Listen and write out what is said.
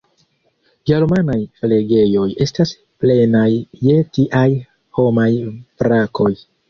Germanaj flegejoj estas plenaj je tiaj homaj vrakoj.